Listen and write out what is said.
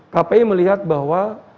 kpi melihat bahwa